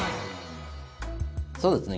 そうですね。